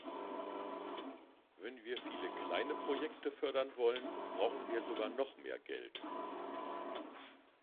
Wenn wir viele kleine Projekte fördern wollen, brauchen wir sogar noch mehr Geld.